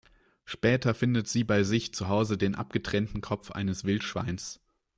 Später findet sie bei sich zu Hause den abgetrennten Kopf eines Wildschweins.